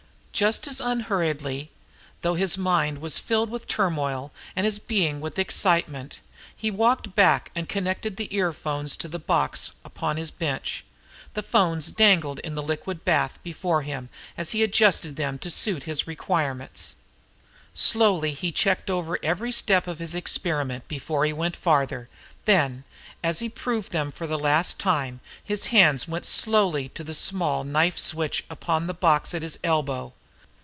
Just as unhurriedly, though his mind was filled with turmoil and his being with excitement, he walked back and connected the earphones to the box upon his bench. The phones dangled into the liquid bath before him as he adjusted them to suit his requirements. Slowly he checked over every step of his experiments before he went farther. Then, as he proved them for the last time, his hand went slowly to the small knife switch upon the box at his elbow.